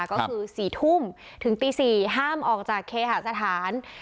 ก็คือ๔ทุ่มถึงตี๔ห้ามออกจากเคหาสถาน